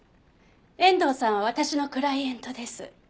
遠藤さんは私のクライエントです。